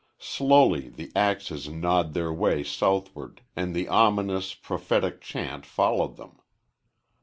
Slowly the axes gnawed their way southward, and the ominous, prophetic chant followed them.